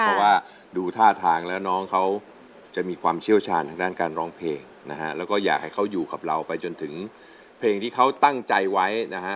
เพราะว่าดูท่าทางแล้วน้องเขาจะมีความเชี่ยวชาญทางด้านการร้องเพลงนะฮะแล้วก็อยากให้เขาอยู่กับเราไปจนถึงเพลงที่เขาตั้งใจไว้นะฮะ